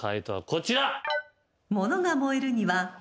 こちら。